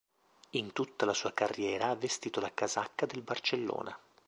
In tutta la sua carriera ha vestito la casacca del Barcellona.